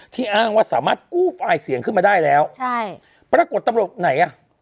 อ้างว่าสามารถกู้ไฟล์เสียงขึ้นมาได้แล้วใช่ปรากฏตำรวจไหนอ่ะ